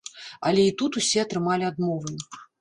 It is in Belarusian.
Але і тут усе атрымалі адмовы.